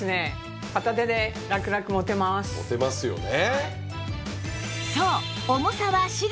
持てますよね。